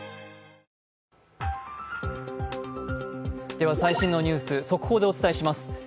では、最新のニュース、速報でお伝えします。